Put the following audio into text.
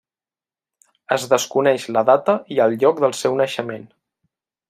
Es desconeix la data i el lloc del seu naixement.